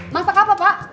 masak apa pak